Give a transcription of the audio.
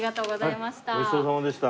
ごちそうさまでした。